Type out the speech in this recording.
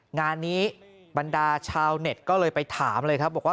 งานนี้บรรดาชาวเน็ตก็เลยไปถามเลยครับบอกว่า